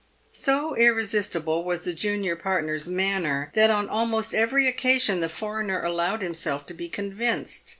So irresistible was the junior partner's manner, that on almost every occasion the foreigner allowed himself to be convinced.